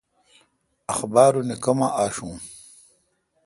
اخبارونی کما آشوں؟